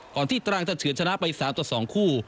ที่ตรังจะเฉินชนะไป๓ต่อ๒คู่